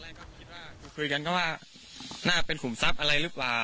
คุยกันก็ว่าน่าเป็นขุมทรัพย์อะไรรึเปล่า